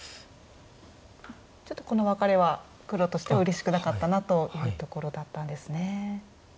ちょっとこのワカレは黒としてはうれしくなかったなというところだったんですね。